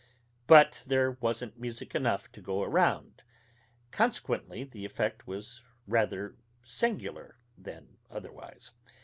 But there wasn't music enough to go around: consequently, the effect was rather singular, than otherwise.